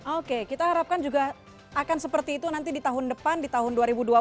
oke kita harapkan juga akan seperti itu nanti di tahun depan di tahun dua ribu dua puluh